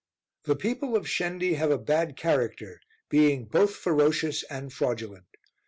The people of Shendi have a bad character, being both ferocious and fraudulent.